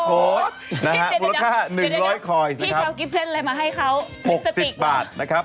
พี่เจ้ากิฟเซ็นเลยมาให้เขา๖๐บาทนะครับ